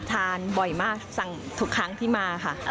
ทานบ่อยมากสั่งทุกครั้งที่มาค่ะ